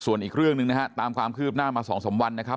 ส่วนอีกเรื่องหนึ่งนะฮะตามความคืบหน้ามา๒๓วันนะครับ